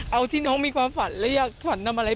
เอาที่น้องมีความฝันและอยากฝันทำอะไร